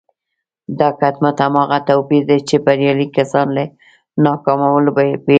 دا کټ مټ هماغه توپير دی چې بريالي کسان له ناکامو بېلوي.